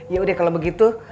ya udah kalau begitu